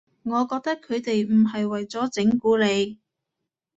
我覺得佢哋唔係為咗整蠱你